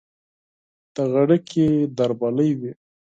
د غړکې دربلۍ وي